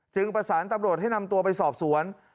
ประสานตำรวจให้นำตัวไปสอบสวน